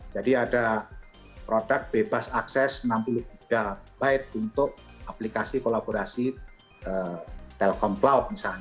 jadi ada produk bebas akses enam puluh gb untuk aplikasi kolaborasi telkom cloud misalnya